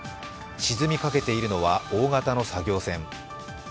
沈みかけているのは大型の作業船。